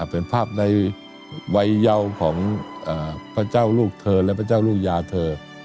เป็นภาพในวัยเยาของพระเจ้าลูกเธอและพระเจ้าลูกยาเธอ